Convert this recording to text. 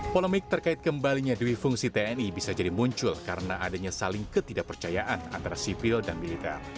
polemik terkait kembalinya dwi fungsi tni bisa jadi muncul karena adanya saling ketidakpercayaan antara sipil dan militer